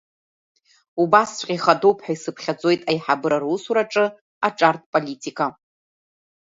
Убасҵәҟьа ихадоуп ҳәа исыԥхьаӡоит аихабыра русураҿы аҿартә политика.